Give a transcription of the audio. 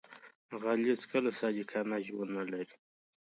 غل هیڅکله صادقانه ژوند نه لري